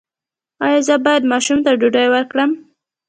ایا زه باید ماشوم ته ډوډۍ ورکړم؟